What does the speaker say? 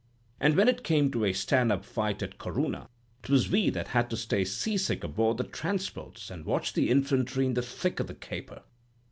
And when it came to a stand up fight at Corunna, 'twas we that had to stay seasick aboard the transports, an' watch the infantry in the thick o' the caper.